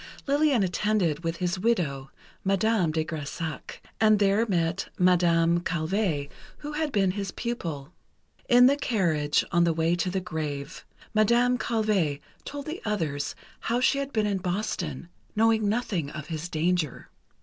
Lillian attended with his widow, Madame de Grésac, and there met Madame Calvé, who had been his pupil. In the carriage on the way to the grave, Madame Calvé told the others how she had been in Boston, knowing nothing of his danger.